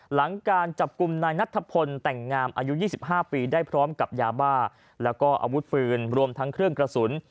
หลังการจับกลุ่มนายนัทพลแต่งงามอายุ๒๕ปีได้พร้อมกับยาบ้าแล้วก็อาวุธปืนรวมทั้งเครื่องกระสุน